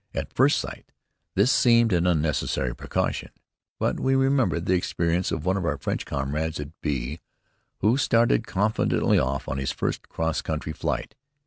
At first sight this seemed an unnecessary precaution; but we remembered the experience of one of our French comrades at B , who started confidently off on his first cross country flight.